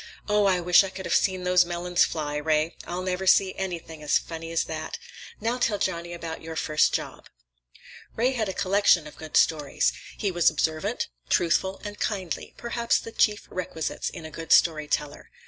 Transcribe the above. "Oh, I wish I could have seen those melons fly, Ray! I'll never see anything as funny as that. Now, tell Johnny about your first job." Ray had a collection of good stories. He was observant, truthful, and kindly—perhaps the chief requisites in a good story teller.